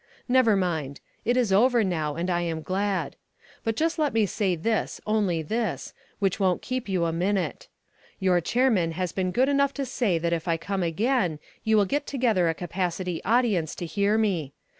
Never mind. It is over now, and I am glad. But just let me say this, only this, which won't keep you a minute. Your chairman has been good enough to say that if I come again you will get together a capacity audience to hear me.